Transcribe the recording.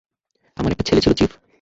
আমার একটা ছেলে ছিল, চিফ।